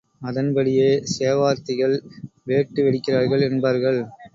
அதன்படியே சேவார்த்திகள் வேட்டு வெடிக்கிறார்கள் என்பார்கள்.